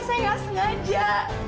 saya nggak sengaja